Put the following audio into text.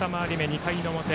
２回の表。